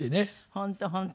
本当本当。